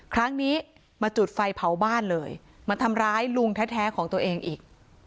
ครั้งนี้มาจุดไฟเผาบ้านเลยมาทำร้ายลุงแท้ของตัวเองอีก